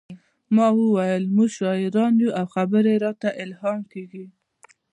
ما وویل موږ شاعران یو او خبرې راته الهام کیږي